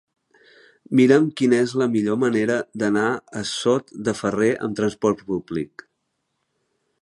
Mira'm quina és la millor manera d'anar a Sot de Ferrer amb transport públic.